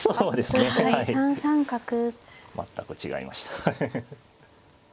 全く違いました。